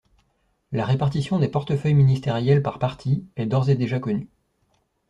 La répartition des portefeuilles ministériels par parti est d'ores et déjà connue.